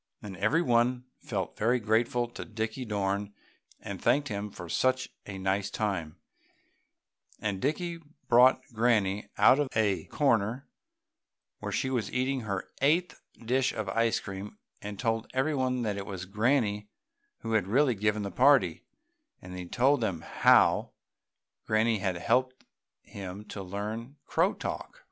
And every one felt very grateful to Dickie Dorn and thanked him for such a nice time, and Dickie brought Granny out of a corner where she was eating her eighth dish of ice cream and told everybody that it was Granny who had really given the party, and he told them how Granny had helped him to learn crow talk.